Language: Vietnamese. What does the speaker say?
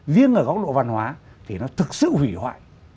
riêng ở góc độ văn hóa thì nó thực sự hủy hoại